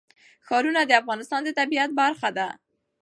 ښارونه د افغانستان د طبیعت برخه ده.